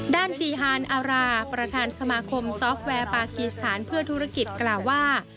จีฮานอาราประธานสมาคมซอฟต์แวร์ปากีสถานเพื่อธุรกิจกล่าวว่า